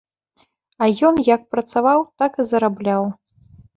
А ён як працаваў, так і зарабляў.